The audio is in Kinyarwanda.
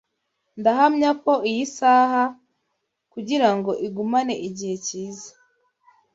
Ndahamya ko iyi saha kugirango igumane igihe cyiza.